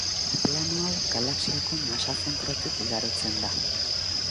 Plano hau galaxiako masa-zentrotik igarotzen da.